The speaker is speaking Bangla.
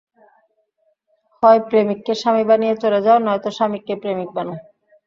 হয় প্রেমিককে স্বামী বানিয়ে চলে যাও, নয়ত স্বামীকে প্রেমিক বানাও।